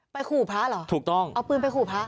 ไปขู่พระหรอเอาปืนไปขู่พระ